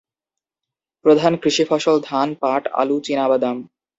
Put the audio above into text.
প্রধান কৃষি ফসল ধান, পাট, আলু, চিনাবাদাম।